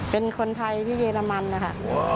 เป็นคนไทยที่เยอรมันนะคะ